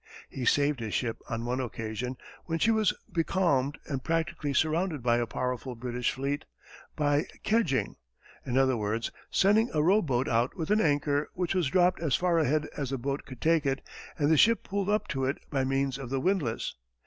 He saved his ship on one occasion, when she was becalmed and practically surrounded by a powerful British fleet, by "kedging" in other words, sending a row boat out with an anchor, which was dropped as far ahead as the boat could take it, and the ship pulled up to it by means of the windlass.